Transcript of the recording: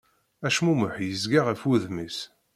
Acmumeḥ yezga ɣef wudem-is.